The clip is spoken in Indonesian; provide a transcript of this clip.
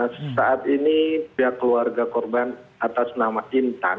saat ini pihak keluarga korban atas nama intan